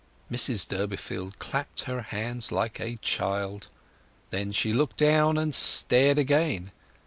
Mrs Durbeyfield clapped her hands like a child. Then she looked down, then stared again.